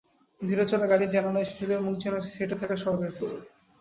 ধীরে চলা গাড়ির জানালায় শিশুদের মুখ যেন সেঁটে থাকা স্বর্গের ফুল।